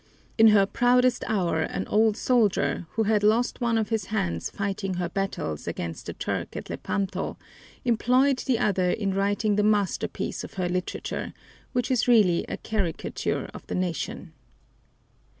In her proudest hour an old soldier, who had lost one of his hands fighting her battles against the Turk at Lepanto, employed the other in writing the masterpiece of her literature, which is really a caricature of the nation.